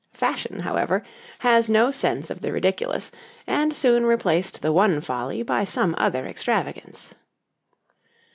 Fashion, however, has no sense of the ridiculous, and soon replaced the one folly by some other extravagance.